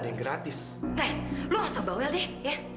masuk bawel deh ya